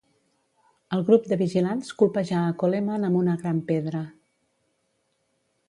El grup de vigilants colpejà a Coleman amb una gran pedra.